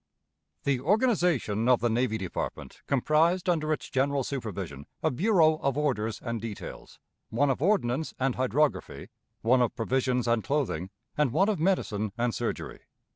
The organization of the Navy Department comprised under its general supervision a bureau of orders and details, one of ordnance and hydrography, one of provisions and clothing, and one of medicine and surgery.